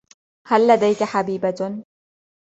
هل لديك حبيبة ؟